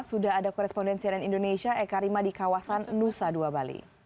sudah ada korespondensi dari indonesia eka rima di kawasan nusa dua bali